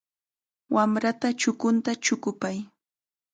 Wamrata chukunta chukupay.